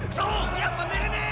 やっぱ寝れねェ！